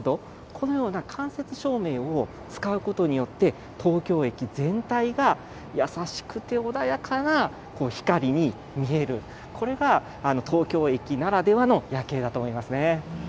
このような間接照明を使うことによって、東京駅全体が優しくて穏やかな光に見える、これが東京駅ならではの夜景だと思いますね。